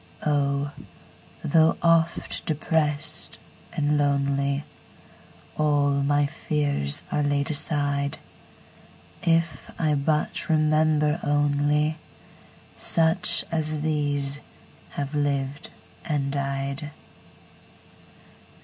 Oh, though oft depressed and lonely, All my fears are laid aside, If I but remember onlySuch as these have lived and died!